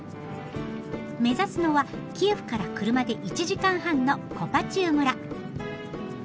目指すのはキエフから車で１時間半のコパチウ村。